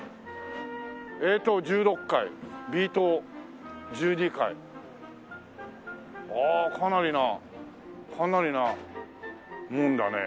「Ａ棟１６階Ｂ棟１２階」ああかなりなかなりなもんだね。